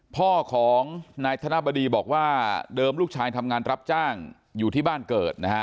พ่อของนายธนบดีบอกว่าเดิมลูกชายทำงานรับจ้างอยู่ที่บ้านเกิดนะฮะ